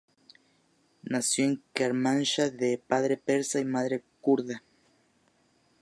Nació en Kermanshah de padre persa y madre kurda.